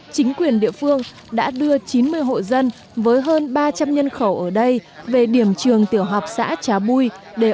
chính quyền địa phương đã đưa chín mươi hộ dân với hơn ba trăm linh nhân khẩu ở đây về điểm trường tiểu học xã trá bui để ở tạm